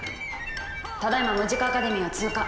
ただいまムジカ・アカデミーを通過。